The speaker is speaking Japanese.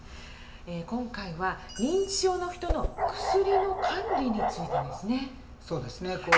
今回は認知症の人の「薬の管理」についてですね。そうですね。